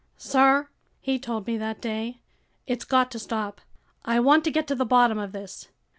"Sir," he told me that day, "it's got to stop. I want to get to the bottom of this.